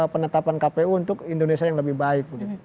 penetapan kpu untuk indonesia yang lebih baik